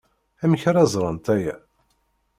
Amek ara ẓrent aya?